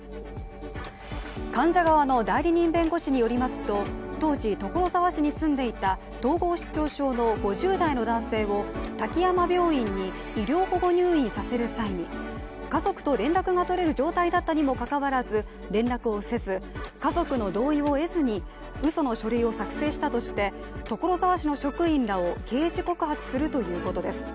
患者側の代理人弁護士によりますと当時、所沢市に住んでいた統合失調症の５０代の男性を滝山病院に医療保護入院させる際に家族と連絡が取れる状態だったにもかかわらず連絡をせず家族の同意を得ずにうその書類を作成したとして所沢市の職員らを刑事告発するということです。